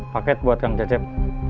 paket buat kang cecep